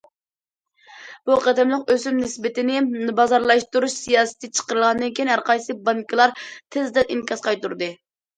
بۇ قېتىملىق ئۆسۈم نىسبىتىنى بازارلاشتۇرۇش سىياسىتى چىقىرىلغاندىن كېيىن، ھەرقايسى بانكىلار تېزدىن ئىنكاس قايتۇردى.